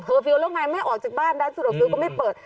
เอิอเฟียลละไงไม่ออกจากบ้านแล้วที่ถึงก็ไม่เปิด